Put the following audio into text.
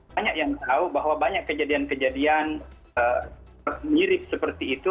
banyak yang tahu bahwa banyak kejadian kejadian mirip seperti itu